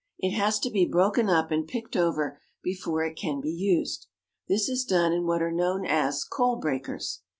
It has to be broken up and picked over before it can be used. This is done in what are known as coal breakers.